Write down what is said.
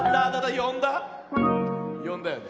よんだよね？